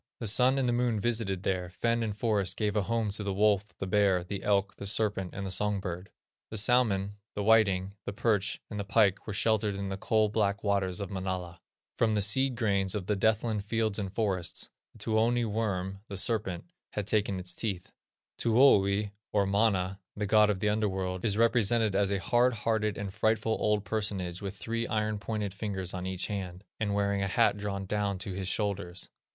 The Sun and the Moon visited there; fen and forest gave a home to the wolf, the bear, the elk, the serpent, and the songbird; the salmon, the whiting, the perch, and the pike were sheltered in the "coal black waters of Manala." From the seed grains of the death land fields and forests, the Tuoni worm (the serpent) had taken its teeth. Tuoni, or Mana, the god of the under world, is represented as a hard hearted, and frightful, old personage with three iron pointed fingers on each hand, and wearing a hat drawn down to his shoulders.